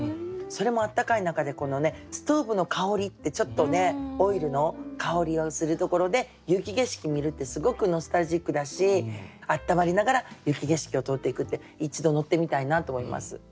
それも暖かい中でストーブの香りってちょっとねオイルの香りをするところで雪景色見るってすごくノスタルジックだし暖まりながら雪景色を通っていくって一度乗ってみたいなと思います。